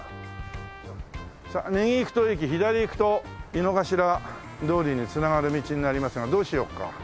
さあ右行くと駅左行くと井の頭通りに繋がる道になりますがどうしようか。